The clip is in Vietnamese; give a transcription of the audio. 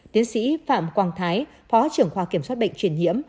tiến sĩ phạm quang thái phó trưởng khoa kiểm soát bệnh truyền nhiễm